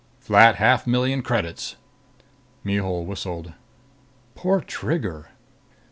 "Flat half million credits." Mihul whistled. "Poor Trigger!"